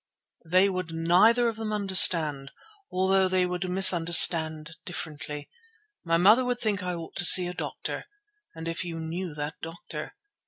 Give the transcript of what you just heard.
They would neither of them understand, although they would misunderstand differently. My mother would think I ought to see a doctor—and if you knew that doctor!